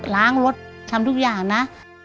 ล้างรถทำทุกอย่างนะ